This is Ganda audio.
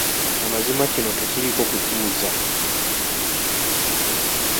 Kya mazima kino tekiriiko kubuuza